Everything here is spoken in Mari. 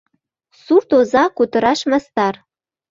Сурт оза кутыраш мастар.